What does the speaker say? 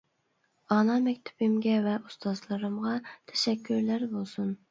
ئانا مەكتىپىمگە ۋە ئۇستازلىرىمغا تەشەككۈرلەر بولسۇن.